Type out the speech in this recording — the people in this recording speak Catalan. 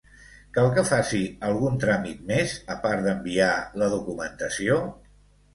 Cal que faci algun tràmit més, a part d'enviar la documentació?